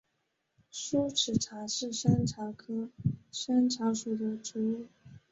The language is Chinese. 疏齿茶是山茶科山茶属的植物。